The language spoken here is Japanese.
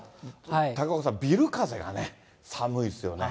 高岡さん、ビル風がね、寒いですよね。